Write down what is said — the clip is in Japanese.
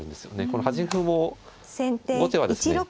この端歩も後手はですね